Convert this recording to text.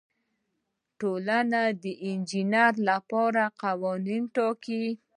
ټولنه د انجینر لپاره قوانین ټاکي.